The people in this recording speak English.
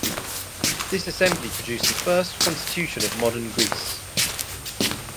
This assembly produced the first constitution of Modern Greece.